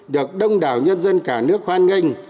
được đông đảo nhân dân cả nước hoan nghênh